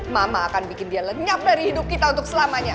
mama akan bikin dia lenyap dari hidup kita untuk selamanya